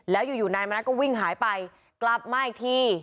แล้วอยู่นายมณัฐก็วิ่งหายไปกลับมาอีกที